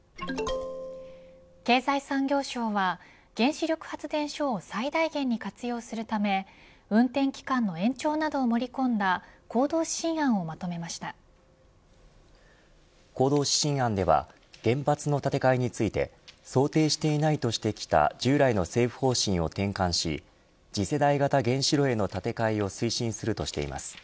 経済産業省は原子力発電所を最大限に活用するため運転期間の延長などを盛り込んだ行動指針案では原発の建て替えについて想定していないとしてきた従来の政府方針を転換し次世代型原子炉への建て替えを推進するとしています。